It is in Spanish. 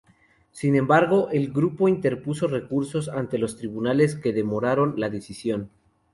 Sin embargo el grupo interpuso recursos ante los tribunales que demoraron la decisión.